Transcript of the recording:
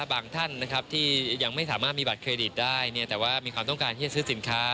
บางท่านที่ยังไม่สามารถมีบัตรเครดิตได้แต่ว่ามีความต้องการที่จะซื้อสินค้า